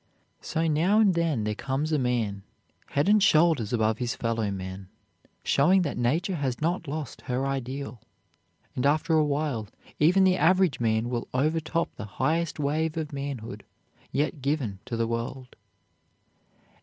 So now and then there comes a man head and shoulders above his fellow men, showing that Nature has not lost her ideal, and after a while even the average man will overtop the highest wave of manhood yet given to the world.